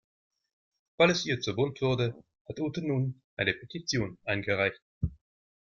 Weil es ihr zu bunt wurde, hat Ute nun eine Petition eingereicht.